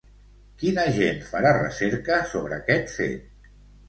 Quin agent farà recerca sobre aquest fet?